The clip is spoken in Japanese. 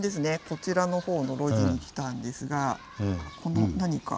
こちらの方の路地に来たんですがこの何か。